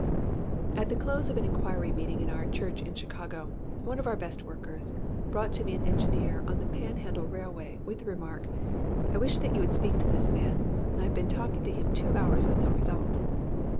At the close of an inquiry meeting in our church in Chicago, one of our best workers brought to me an engineer on the Pan Handle Railway with the remark, "I wish that you would speak to this man. I have been talking to him two hours with no result."